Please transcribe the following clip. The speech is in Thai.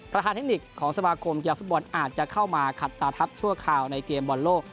ทางเทคนิคของสมาคมกีฬาฟุตบอลอาจจะเข้ามาขัดตาทัพชั่วคราวในเกมบอลโลก